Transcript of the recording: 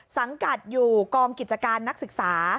สังกัดอยู่กองกิจการนักศึกษา